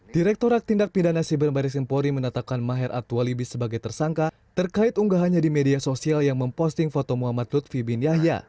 direkturat tindak pidana siber baris empori menatakan maher atualibi sebagai tersangka terkait unggahannya di media sosial yang memposting foto muhammad lutfi bin yahya